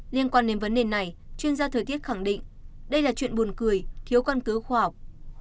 liên quan đến vấn đề này chuyên gia thời tiết khẳng định đây là chuyện buồn cười thiếu căn cứ khoa học